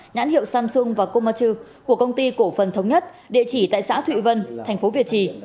nhãn hiệu samsung và komatsu của công ty cổ phần thống nhất địa chỉ tại xã thụy vân tp việt trì